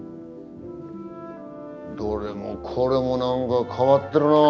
どれもこれもなんか変わってるなぁ。